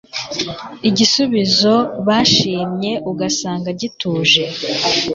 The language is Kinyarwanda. igisubizo bashimye ugasanga gituje